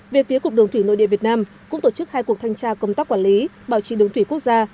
về phía cục đường thủy nội địa việt nam cũng tổ chức hai cuộc thanh tra công tác quản lý bảo trì đường thủy quốc gia